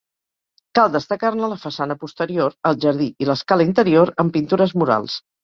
Cal destacar-ne la façana posterior, el jardí i l'escala interior, amb pintures murals.